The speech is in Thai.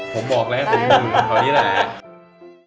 ผมบอกแรกผมดูตอนนี้แหละ